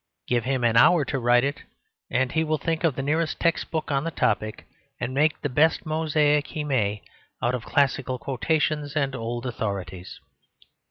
Give him an hour to write it, and he will think of the nearest text book on the topic, and make the best mosaic he may out of classical quotations and old authorities.